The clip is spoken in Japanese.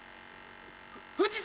富士山！